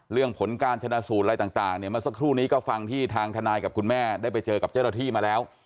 ผลการชนะสูตรอะไรต่างเนี่ยเมื่อสักครู่นี้ก็ฟังที่ทางทนายกับคุณแม่ได้ไปเจอกับเจ้าหน้าที่มาแล้ว